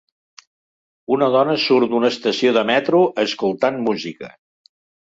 Una dona surt d'una estació de metro escoltant música.